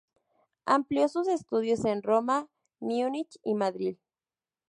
Amplió sus estudios en Roma, Múnich y Madrid.